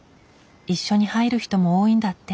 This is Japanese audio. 一緒に入る人も多いんだって。